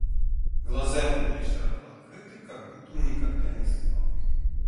Глаза его были широко открыты, как будто он никогда не спал.